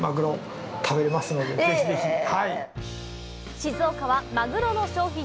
静岡はマグロの消費量